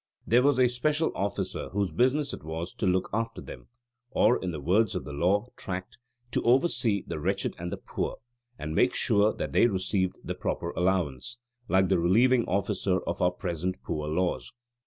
There was a special officer whose business it was to look after them: or, in the words of the law tract, to "oversee the wretched and the poor," and make sure that they received the proper allowance: like the relieving officer of our present poor laws.